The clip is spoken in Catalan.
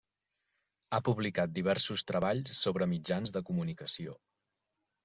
Ha publicat diversos treballs sobre mitjans de comunicació.